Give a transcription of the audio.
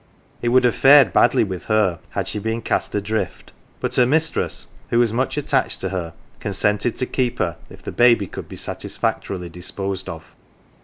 It would have fared badly with her had she been cast adrift ; but her mistress, who was much attached to her, consented to keep her if the baby could be satisfactorily disposed of.